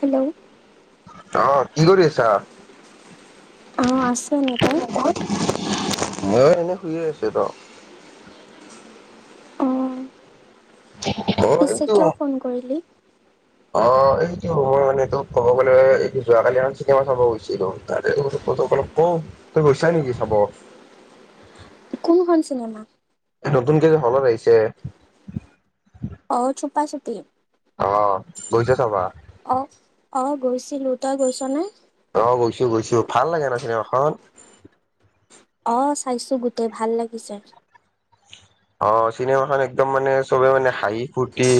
Hello অ' কি কৰি আছা? অ' আছো এনেই, তই? মইয়ো এনেই শুইয়ে আছিলোঁ। অঁ থ [unintelligible] পিছে কিয় ফোন কৰিলি? অ' এইটো মই মানে তোক ক'ব গ'লে যোৱা কালি এখন চিনেমা চাব গৈছিলোঁ, তাৰ বোলো অ'তোক অলপ কওঁ, তই গৈছা নেকি চাব? কোনখন চিনেমা? নতুনকে যে হ'লত আহিছে? অ' চুপা চুপি। অ' গৈছ চাব? অ', অ' গৈছিলোঁ, তই গৈছ নে? অ' গৈছোঁ গৈছোঁ, ভাল লাগে ন চিনেমাখন? অ' চাইছোঁ গোটেই ভাল লাগিছে। অ' চিনেমাখন একদম মানে চবে মানে হাঁহি ফুুৰ্তি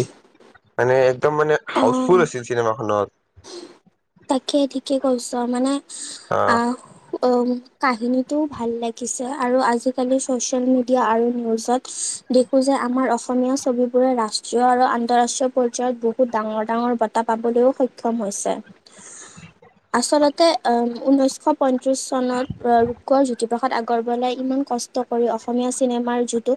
মানে একদম মানে হাউচফুল অঁ আছিল চিনেমাখনত। তাকে ঠিকে কৈছ, মানে অ আহ উম, কাহিনীটো ভাল লাগিছে আৰু আজিকালি চচিয়েল মিডিয়া আৰু নিউজত দেখোঁ যে আমাৰ অসমীয়া ছবিবোৰে ৰাষ্ট্ৰীয় আৰু আন্তঃৰাষ্ট্ৰীয় পৰ্যায়ত বহুত ডাঙৰ ডাঙৰ ব টা পাবলৈও সক্ষম হৈছে। আচলতে ঊনৈশ পত্ৰিশ চনত ৰূপকোঁৱৰ জ্যোতিপ্ৰসাদ আগৰৱালাই ইমান কষ্ট কৰি অসমীয়া চিনেমাৰ যিটো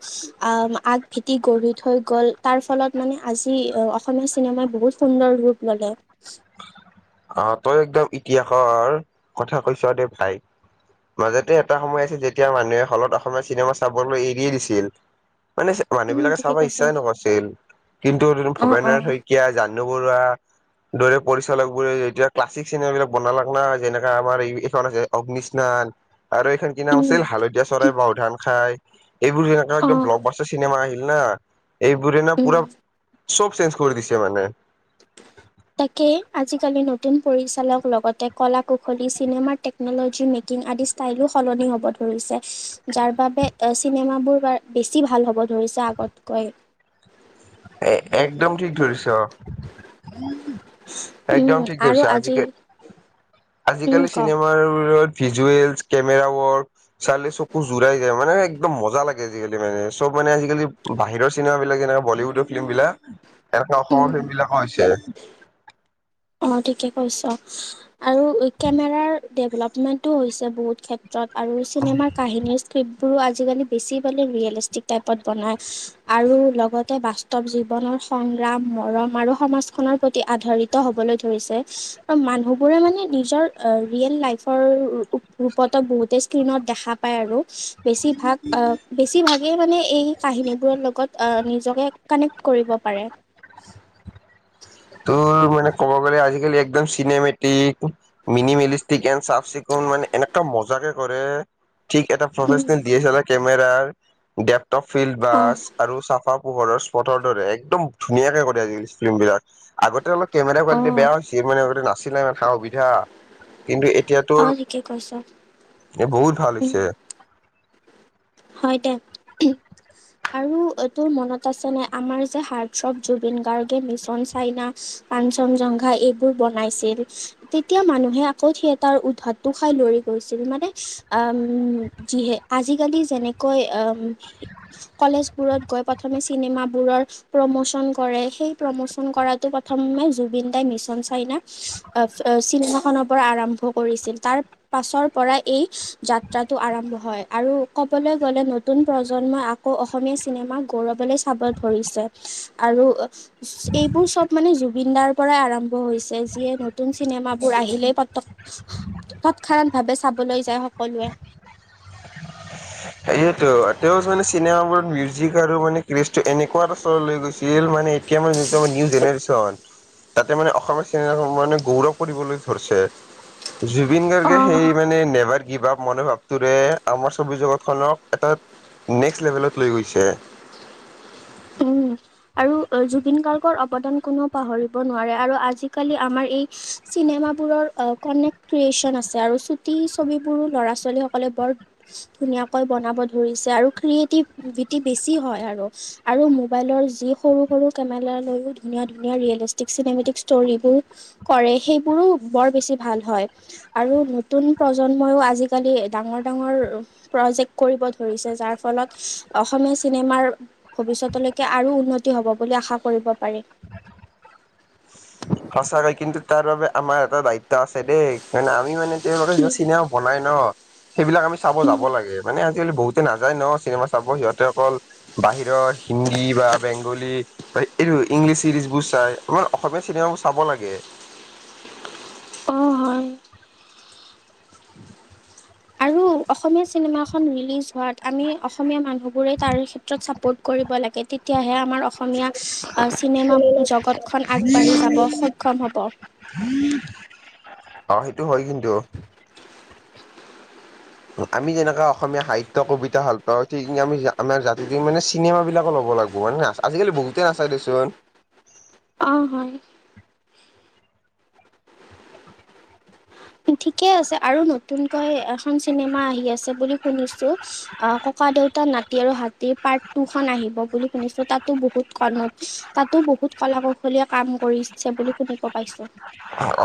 আহ আগ ভেটি গঢ়ি থৈ গ'ল। তাৰ ফলত মানে আজি অসমীয়া চিনেমাই বহুত সুন্দৰ ৰূপ ল'লে। অ' তই একদম ইতিহাসৰ কথা কৈছ দেই ভাই। মাজতে এটা সময় আহিছিল, যেতিয়া মানুহে হ'লত অসমীয়া চিনেমা চাবলৈ এৰিয়ে দিছিল। মানে মানুহ উম বিলাকে ঠিকে চাব কৈছ ইচ্ছাই নকৰিছিল, কিন্তু অঁ ভবেন্দ অঁ নাথ শই কীয়া, জাহ্নু বৰুৱা দৰে পৰিচালক বোৰে এতিয়া ক্লাছিক চিনেমা বিলাক বনালে না, যেনেকা আমাৰ এইখন আছে অগ্নিস্নান আৰু এইখন কি নাম আছিল হালধীয়া চৰাই বাওধান খাই, এইবোৰ যেনেকুৱা একদম অঁ ব্লগ বাছটাৰ চিনেমা আহিল না এইবোৰে না পুৰা চব চেঞ্জ কৰি দিছে মানে। তাকে, আজিকালি নতুন পৰিচালক লগতে কলা-কুশলী চিনেমাৰ টেক টেকন'লজি মেকিং আদি ষ্টাইলো সলনি হ'ব ধৰিছে। যাৰ বাবে চিনেমাবোৰ বেছি ভাল হ'ব ধৰিছে আগতকৈ। এ', একদম ঠিক ধৰিছ, উম একদম ঠিক আৰু ধৰিছ। আজি আজিকালি উম আজিকালি ক চিনেমা-ৰত ভিজুৱেলছ কেমেৰা ৱৰ্ক চালে চকু জোৰাই যায়, মানে একদম মজা লাগে, আজিকালি চব মানে বাহিৰৰ চিনেমা বিলাক এনে বলীউডৰ ফিল্ম বিলাক, এনেকুৱা অসমৰ উম, ফিল্ম বিলাকো হৈছে। অ', ঠিকে কৈছ, আৰু কেমেৰাৰ ডেভেলপমেণ্টো হৈছে বহুত ক্ষেত ত্ৰত, আৰু চিনেমাৰ কাহিনীৰ স্ক্ৰিপ্টবোৰো আজিকালি বেছি মানে ৰিয়েলিষ্টিক টাইপত বনায়। আৰু লগতে বাস্তৱ জীৱনৰ সংগ্ৰাম, মৰম আৰু সমাজখনৰ প্ৰতি আধাৰিত হ'বলৈ ধৰিছে। মানুহবোৰে মানে নিজৰ ৰিএল লাইফৰ ৰূপতে বহুতে স্ক্ৰীণত দেখা পায় আৰু। বেছিভাগ অ, বেছিভাগেই মানে এই কাহিনীবোৰৰ লগত নিজকে কানেক্ট কৰিব পাৰে। তোৰ মানে ক'ব গ'লে আজিকালি একদম চিনেমেটিক মিনি মেলিষ্টিক এন চাফ চিকুণ মানে এনেকা মজাকে কৰে ঠিক এটা উম, professional D S L R কমেৰাৰ ডেপটপ ফিল্ড অ', বাছ আৰু চাফা পোহৰৰ স্পটৰ দৰে একদম ধুনীয়াকে কৰে আজিকালি ফিল্ম বিলাক। আগতে অলপ কেমেৰা কোৱালিটি অ', বেয়া হৈছিল, মানে আগতে নাছিলে মানে সা-সুবিধা। কিন্তু এতিয়া তোৰ, অ', ঠিকে কৈছ বহুত ভাল উম, হৈছে। হয় দে, ঠিক। আৰু এইটোৰ মনত আছে নে, আমাৰ হাৰ্ডথ্ৰ' জুবিন গাৰ্গে মিচন চাইনা কাঞ্চনজংঘা এইবোৰ বনাইছিল। তেতিয়া মানুহে আকৌ থিয়েতাৰ উদ্ধাতোৰ খাই দৌৰি গৈছিল, মানে আ যিহে আজিকালি যেনেকৈ কলেজবোৰত গৈ প্ৰথমে চিনেমাবোৰৰ প্ৰমোচন কৰে, সেই প্ৰমোচন কৰাটো প্ৰথমে জুবিন দাই মিছন চাইনা চিনেমাখনৰ পৰা আৰম্ভ কৰিছিল। তাৰ পাছৰ পৰা এই যাত্ৰাটো আৰম্ভ হয় আৰু ক ক'বলৈ গ'লে, নতুন প্ৰজন্মই আকৌ অসমীয়া চিনেমাক গৌৰৱৰে চাব ধৰিছে। আৰু এইবোৰ চব মানে জুবিন দাৰ পৰাই আৰম্ভ হৈছে। যিয়ে নতুন চিনেমাবোৰ আহিলেই পতক [inaudible] তৎক্ষনাত ভাৱে চাবলৈ যায় সকলোৱে। সেয়েতো, তেওঁ মানে চিনেমাবোৰত মিউজিক আৰু মানে ক্ৰেজটো এনেকুৱা স্তৰলৈ লৈ গৈছিল, মানে [unintelligible] যিতো নিউ জেনেৰেচন তাতে মানে অসমীয়া চিনেমা মানে গৌৰৱ কৰিবলৈ ধৰিছে। জুবিন গাৰ্গে অ সেই মানে নেবাৰ গিভ আভ মনৰ ভাৱটোৰে আমাৰ চব জগত খনক এটা নেক্সট লেভেলত লৈ গৈছে। উম। আৰু জুবিন গাৰ্গৰ অৱদান কোনো পাহৰিব নোৱাৰে, আৰু আজিকালি আমাৰ এই চিনেমাবোৰৰ কনেক্ট ক্ৰিয়েচন আছে, আৰু ছুটি ছবিবোৰো ল'ৰা-ছোৱালীসকলে বৰ ধুনীয়াকৈ বনাব ধৰিছে, আৰু ক্ৰিয়েটিভিটি বেছি হয় আৰু। আৰু মোবাইলৰ যি যি সৰু-সৰু কেমেৰা লৈও ধুনীয়া-ধুনীয়া ৰিয়েলিষ্টিক, চিনেমেটিক ষ্টৰিবোৰ কৰে সেইবোৰো বৰ বেছি ভাল হয়। আৰু নতুন প্ৰজন্মইও আজিকালি ডাঙৰ ডাঙৰ- প্ৰজেক্ট কৰিব ধৰিছে। যাৰ ফলত অসমীয়া চিনেমাৰ ভৱিষ্যতলৈকে আৰু- উন্নতি হ'ব বুলি আশা কৰিব পাৰি। সঁচাকৈ কিন্তু তাৰ বাবে আমাৰ এটা দায়িত্ব আছে দেই কাৰণ আমিও মানে - তেওঁলোকে কি যিবিলাক চিনেমা বনাই ন' সেইবিলাক আমি চাব যাব লাগে। মানে আজিকালি বহুত- নাযায় ন' চিনেমা চাব, সিহঁতে অকল বাহিৰৰ হিন্দী বা বেংগলী- হয় এইটো ইংলিছ চিৰিজ বোৰ চাই আমাৰ অসমীয়া চিনেমাবোৰ চাব লাগে। অঁ' হয়। আৰু অসমীয়া চিনেমাখন ৰিলিজ হোৱাত আমি অসমীয়া মানুহ বোৰে তাৰে ক্ষেত্ৰত চাপৰ্ট কৰিব লাগে তেতিয়াহে আমাৰ অসমীয়া আ চিনেমা জগতখন আগবাঢ়ি যাব সক্ষম হ'ব। [unintelligible] অঁ' সেইটো হয় কিন্তু। আমি যেনেকা অসমীয়া সাহিত্য কবিতা ভাল পাওঁ ঠিক সেই আমি আমাৰ জাতিটো মানে চিনেমা বিলাকো ল'ব লাগিব হয় নে। আজিকালি বহুতেই নাচাই দেচোন। অঁ হয়। ঠিকে আছে আৰু নতুনকৈ এখন চিনেমা আহি আছে বুলি শুনিছোঁ। আহ' ককা দেউতাৰ নাতি আৰু হাতীৰ পাৰ্ট টু খন আহিব বুলি শুনিছো, তাতো বহুত কাৰণত তাতো বহুত কলা কৌশলীয় কাম কৰিছে বুলি শুনিব পাইছোঁ।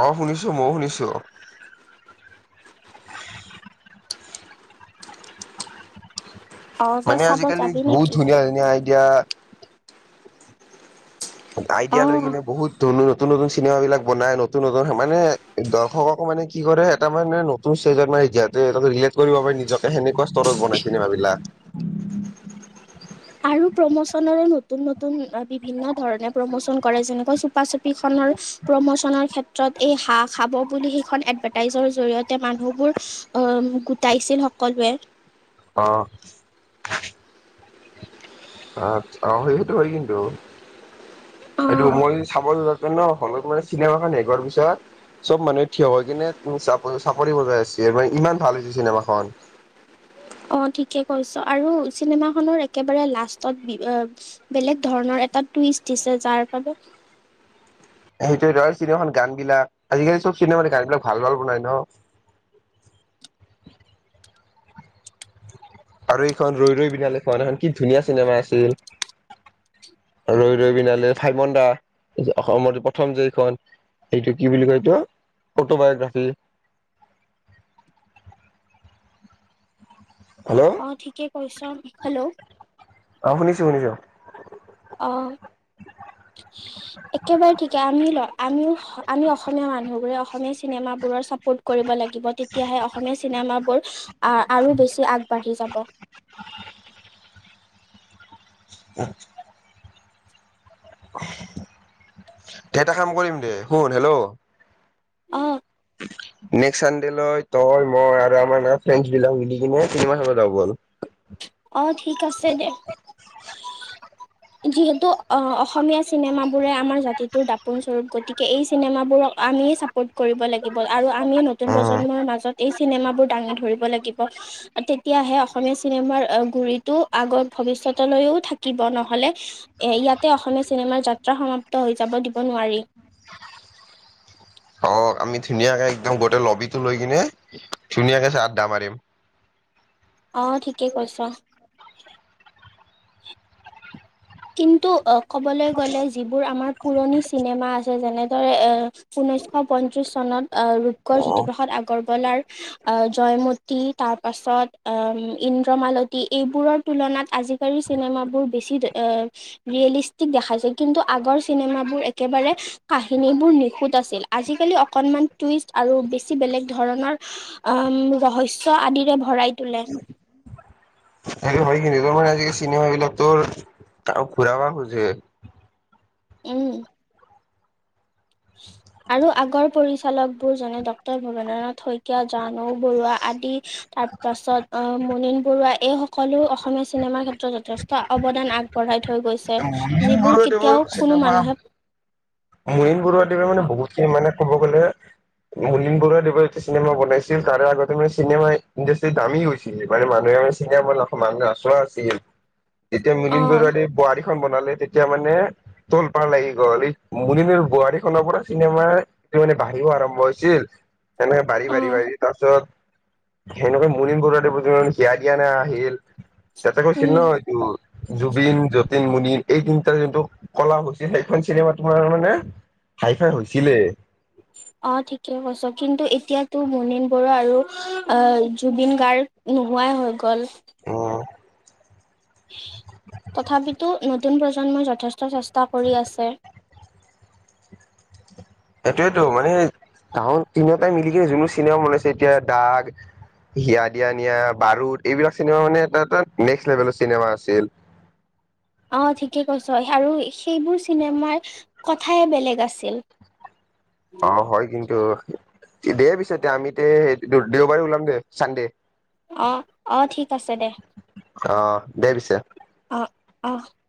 অঁ' শুনিছো মইও শুনিছোঁ অঁ'। অ' তই মানে চাব আজিকালি যাবি বহুত নেকি? ধুনীয়া ধুনীয়া আইডিয়া আইডিয়া লৈ অ' কিনে বহুত নতুন নতুন চিনেমা বিলাক বনাই, নতুন নতুন মানে দৰ্শকক মানে কি কৰে এটা মানে ষ্টেজত মানে এতিয়া তে, তাৰ পাছত ৰিলেট কৰিব পাৰি নিজকে সেনেকুৱা স্তৰত বনাই চিনেমাবিলাক। আৰু প্ৰমোচনৰো নতুন নতুন বিভিন্ন ধৰণে প্ৰমোচন কৰে যেনেকৈ চুপা চুপি খনৰ প্ৰমোচনৰ ক্ষেত্ৰত এই হাঁহ খাব বুলি সেইখন এডভাৰটাইজৰ জৰিয়তে মানুহবোৰ- অহ' গোটাইছিল সকলোৱে। অঁ। অঁ' অঁ' সেইটো হয় কিন্তু। সেইটো অ' মই চাব যোৱাতে ন' হ'লেও মানে চিনেমাখন শেষ হোৱাৰ পিছত- চ'ব মানুহে থিয় হৈ কিনে চা-চাপৰি বজাই আছিল মানে ইমান ভাল হৈছে চিনেমাখন। অঁ' ঠিকে কৈছ আৰু চিনেমাখনৰ একেবাৰে লাষ্টত বি, অ- বেলেগ ধৰণৰ এটা টুইষ্ট দিছে যাৰ বাবে সেইটোৱে ধৰ আৰু চিনেমাখন গান বিলাক আজিকালি চ'ব চিনেমা গান বিলাক ভাল ভাল বনাই ন'। আৰু এইখন ৰৈ ৰৈ বিনালে খন এখন কি ধুনীয়া চিনেমা আছিল। ৰৈ ৰৈ বিনালে, ভাইমন্দা অসমত প্ৰথম যে এইখন। এইটো কি বুলি কয় এইটো অটবায়োগ্ৰাফি। হেল্ল'। অঁ' ঠিকে কৈছ, হেল্ল'। অঁ' শুনিছো শুনিছোঁ। অঁ। একেবাৰে ঠিকে, আমিও ল' আমিও আমি অসমীয়া মানুহবোৰে অসমীয়া চিনেমাবোৰৰ ছাপৰ্ট কৰিব লাগিব। তেতিয়াহে অসমীয়া চিনেমাবোৰ আ আৰু বেছি আগবাঢ়ি যাব। [unintelligible] দে এটা কাম কৰিম দে শুন, হেল্ল'। অঁ। নেক্স চানডে লৈ তই, মই আৰু আমাৰ ফ্ৰেণ্ডছ বিলাক মিলি কিনে চিনেমা চাব যাওঁ বল। অ, ঠিক আছে, দে। [unintelligible] যিহেতু অসমীয়া চিনেমাবোৰে আমাৰ জাতিটোৰ দাপোন স্বৰূপ। গতিকে এই চিনেমাবোৰক আমিয়ে ছাপোৰ্ট কৰিব লাগিব আৰু আমি নতুন উম প্ৰজন্মৰ মাজত এই চিনেমাবোৰ দাঙি ধৰিব লাগিব। তেতিয়াহে অসমীয়া চিনেমাৰ গুৰিতটো আগত ভৱিষ্যতলৈও থাকিব। নহলে এ ইয়াতে অসমীয়া চিনেমাৰ যাত্ৰা সমাপ্ত হৈ যাব দিব নোৱাৰি। অ আমি ধুনীয়াকে একদম গোটেই লবিটো লৈ কিনে ধুনীয়াকে চাহ আদ্দা মাৰিম। অ, ঠিকে কৈছা। কিন্তু ক'বলৈ গ'লে যিবোৰ আমাৰ পুৰণি চিনেমা আছে, যেনেদৰে এ ঊনৈশ পঞ্চিশ চনত আহ, ৰূপকৰ জ্যোতিপ্ৰসাদ আগৰৱালাৰ আহ, জয়মতী তাৰ পাছত ইন্দ্ৰমালতী এইবোৰৰ তুলনাত আজিকালিৰ চিনেমাবোৰ বেছি ৰিয়েলিষ্টিক দেখাইছে। কিন্তু আগৰ চিনেমাবোৰ একেবাৰে কাহিনীবোৰ নিখুত আছিল। আজিকালি অকণমান টুইষ্ট আৰু বেছি বেলেগ ধৰণৰ উম, ৰহস্য আদিৰে ভৰাই তোলে। তাকে হয়, কিন্তু তাৰ মানে আজিকালি চিনেমা বিলাক তোৰ আৰু ঘুৰাবা খোজে। উম। [unintelligible] আৰু আগৰ পৰিচালক বোৰ জনে ডাক্টৰ ভবেন্দ্ৰনাথ শইকীয়া, জানৌ বৰুৱা আদি তাৰ তাৰপাছত মুনিন বৰুৱা এই সকলো অসমীয়া চিনেমাৰ ক্ষেত্ৰত যথেষ্ট অৱদান আগ পঢ়াই থৈ গৈছে মুনীন যিবোৰ কেতিয়াও কোনো মানুহে মনিন বৰুৱাদেৱে বহুতখিনি মানে, ক'ব গ'লে মলিন বৰুৱা দেৱৰ চিনেমা বনাইছিল তাৰে আগতে মানে চিনেমা ইণ্ডাষ্ট্ৰি দামী হৈছিল। মানে মানুহে চিনেমা, মানুহে আছোৱা আছিল। যেতিয়া অ মনিন বৰুৱাই বোৱাৰীখন বনালে তেতিয়া মানে তোলপাৰ লাগি গ'ল মুনিনৰ বোৱাৰীখনৰ পৰা চিনেমাৰ সেইটো মানে বাঢ়িও আৰম্ভ হৈছিল। তেনেকে বাঢ়ি- অ বাঢ়ি- বাঢ়ি তাৰপিছত সেনেকৈ মুনিন বৰুৱাদেৱ হিয়া - দিয়া- নিয়া আহিল, তাতে কৈছিল ন উম এইটো জুবিন, যতীন, মুনিন। এই তিনিটা যোনটো কলা হৈছিল। সেইখন চিনেমা তোমাৰ মানে ফাই ফাই হৈছিলে। [unintelligible] অ, ঠিকে কৈছ। কিন্তু এতিয়াতো মুনিন বৰুৱা আৰু অ, জুবিন গাৰ্গ নোহোৱাই হৈ গ'ল। উম তথাপিতো নতুন প্ৰজন্মই যথেষ্ট চেষ্টা কৰি আছে। এইটোৱেতো মানে তিনিটাই মিলি যোনটো চিনেমা বনাইছে, এতিয়া দাগ হিয়া- দিয়া- নিয়া, বাৰুদ, এইবিলাক চিনেমা মানে এটা- এটা নেক্সট লেভেলৰ চিনেমা আছিল। অ, ঠিকে কৈছা। আৰু সেইবোৰ চিনেমাৰ কথাই বেলেগ আছিল। অ, হয় কিন্তু দেই পিছতে, এতিয়া আমি তে দেওবাৰে ওলাম, দে চানডে। অঁ- অঁ, ঠিক আছে দে। অ, দে পিছে। [unintelligible]